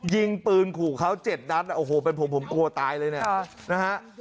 ยิงปืนขู่เขา๗นัดโอ้โหเป็นผมผมกลัวตายเลยเนี่ยนะฮะ